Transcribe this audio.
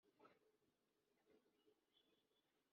agera mu mpinga ya Pisiga,